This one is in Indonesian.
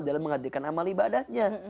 dalam menghadirkan amal ibadahnya